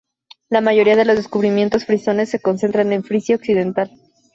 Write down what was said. La mayoría de los descubrimientos frisones se concentran en Frisia occidental.